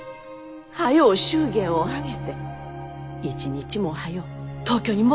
早う祝言を挙げて一日も早う東京に戻りい。